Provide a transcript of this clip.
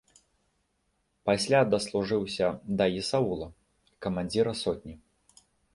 Пасля даслужыўся да есаула, камандзіра сотні.